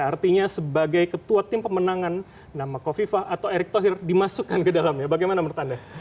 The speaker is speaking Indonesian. artinya sebagai ketua tim pemenangan nama kofifa atau erick thohir dimasukkan ke dalamnya bagaimana menurut anda